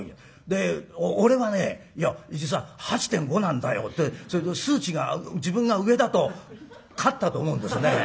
で「俺はねいや実は８．５なんだよ」って数値が自分が上だと勝ったと思うんですね。